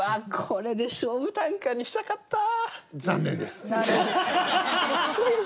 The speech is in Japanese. これで勝負短歌にしたかった。